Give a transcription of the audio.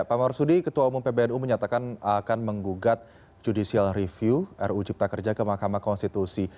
pak marsudi ketua umum pbnu menyatakan akan menggugat judicial review ruu cipta kerja ke mahkamah konstitusi